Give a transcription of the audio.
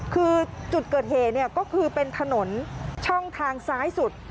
คือจุดเกิดเหตุก็คือเป็นถนนช่องทางซ้ายสุด